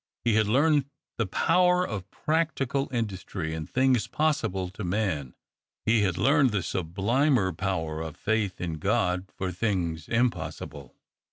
He had learned the power of practical industry in things possible to man: he had learned the sublimer power of faith in God for things impossible.